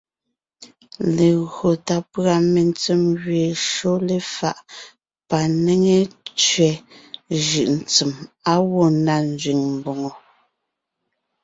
Legÿo tà pʉ̀a mentsèm gẅeen shÿó léfaʼ panéŋe tẅɛ̀ jʉʼ gie àa gwó na nzẅìŋ mbòŋo.